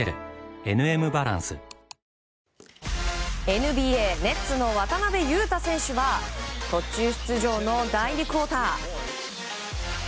ＮＢＡ、ネッツの渡邊雄太選手は途中出場の第２クオーター。